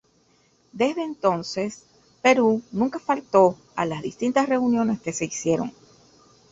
Desde entonces, Perú nunca faltó a las distintas reuniones que se hicieron.